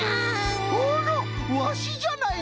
あらワシじゃないの！